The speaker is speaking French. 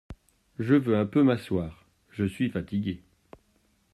Je veux un peu m’asseoir ; je suis fatiguée !